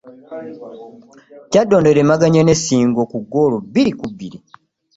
Kyaddondo eremaganye ne Ssingo ku ggoolo bbiri ku bbiri